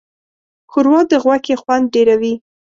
ښوروا د غوښې خوند ډېروي.